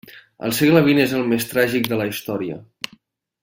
El segle vint és el més tràgic de la història.